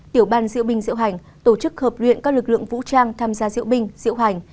tiểu ban diệu bình diệu hành tổ chức hợp luyện các lực lượng vũ trang tham gia diệu bình diệu hành